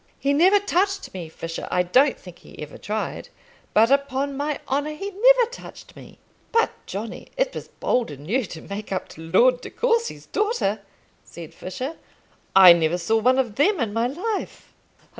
"He never touched me, Fisher; I don't think he ever tried; but, upon my honour, he never touched me." "But, Johnny, it was bold in you to make up to Lord De Courcy's daughter," said Fisher. "I never saw one of them in my life."